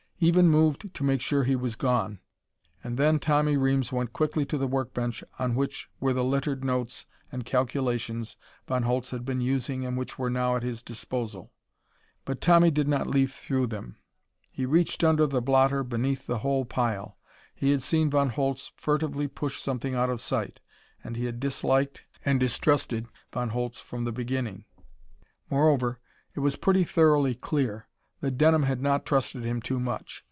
Even moved to make sure he was gone. And then Tommy Reames went quickly to the work bench on which were the littered notes and calculations Von Holtz had been using and which were now at his disposal. But Tommy did not leaf through them. He reached under the blotter beneath the whole pile. He had seen Von Holtz furtively push something out of sight, and he had disliked and distrusted Von Holtz from the beginning. Moreover, it was pretty thoroughly clear that Denham had not trusted him too much.